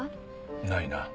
ないな。